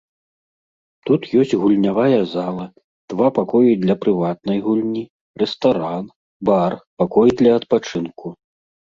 Тут ёсць гульнявая зала, два пакоі для прыватнай гульні, рэстаран, бар, пакой для адпачынку.